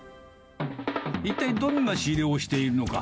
一体どんな仕入れをしているのか。